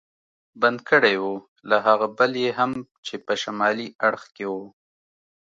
بند کړی و، له هغه بل یې هم چې په شمالي اړخ کې و.